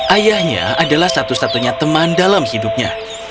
ayahnya adalah satu satunya teman dalam hidupnya